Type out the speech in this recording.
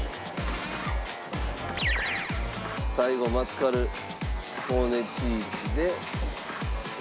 最後マスカルポーネチーズで。